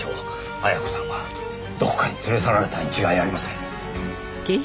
絢子さんはどこかに連れ去られたに違いありません。